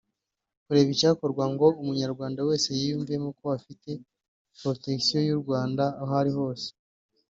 Kureba icyakorwa ngo umunyarwanda wese yiyumvemo ko afite protection y’u Rwanda aho ari hose